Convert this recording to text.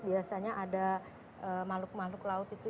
biasanya ada makhluk makhluk laut itu